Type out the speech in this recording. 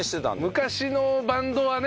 昔のバンドはね。